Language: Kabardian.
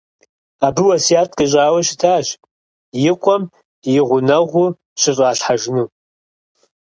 Абы уэсят къищӀауэ щытащ и къуэм и гъунэгъуу щыщӀалъхьэжыну.